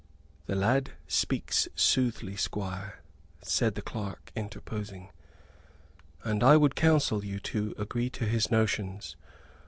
"The lad speaks soothly, Squire," said the clerk, interposing, "and I would counsel you to agree to his notions.